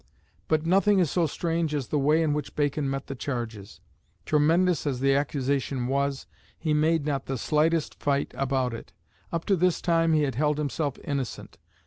But nothing is so strange as the way in which Bacon met the charges. Tremendous as the accusation was, he made not the slightest fight about it. Up to this time he had held himself innocent.